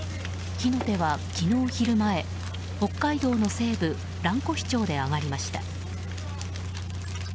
火の手は昨日昼前、北海道の西部蘭越町で上がりました。